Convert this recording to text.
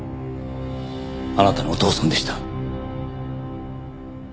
あなたのお父さんでした。